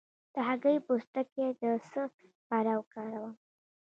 د هګۍ پوستکی د څه لپاره وکاروم؟